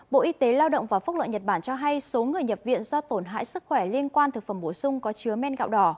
bộ y tế lao động và phúc lợi nhật bản cho hay số người nhập viện do tổn hại sức khỏe liên quan thực phẩm bổ sung có chứa men gạo đỏ